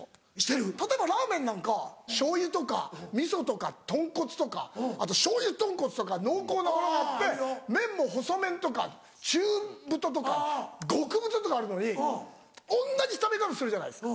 例えばラーメンなんか醤油とか味噌とか豚骨とかあと醤油豚骨とか濃厚なものがあって麺も細麺とか中太とか極太とかあるのに同じ食べ方するじゃないですか。